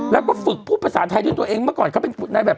แล้วก็ฝึกพูดภาษาไทยด้วยตัวเองเมื่อก่อนเขาเป็นในแบบ